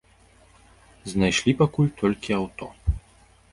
Знайшлі пакуль толькі аўто.